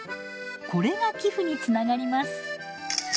これが寄付につながります。